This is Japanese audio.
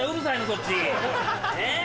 そっち。え？